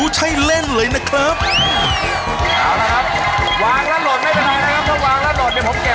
วางแล้วหลดไม่เป็นไรนะครับ